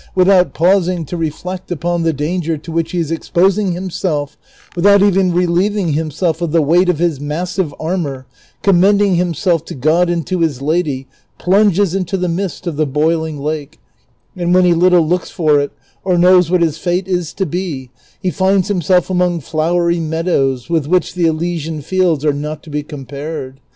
without pausing to reflect upon the danger to which he is ex posing himself, without even relieving himself of the weight of his massive armor, commending himself to God and to his lady, plunges into the mist of the boiling lake, and when he little looks for it, or knows what his fate is to be, he finds himself among flowery meadows, with which the Elysian fields are not to be compared.